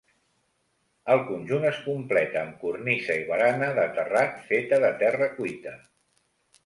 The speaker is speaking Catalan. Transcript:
El conjunt es completa amb cornisa i barana de terrat feta de terra cuita.